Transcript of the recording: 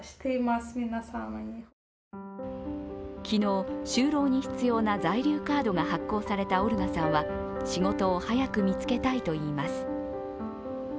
昨日、就労に必要な在留カードが発行されたオルガさんは仕事を早く見つけたいと言います。